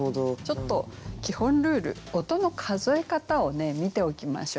ちょっと基本ルール音の数え方をね見ておきましょう。